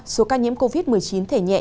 số ca nhiễm covid một mươi chín thể nhẹ